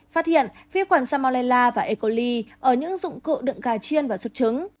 phát hiện vi khuẩn samolella và e coli ở những dụng cụ đựng gà chiên và sốt trứng